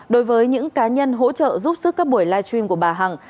đối với những cá nhân hỗ trợ giúp sức các buổi live stream của bà hằng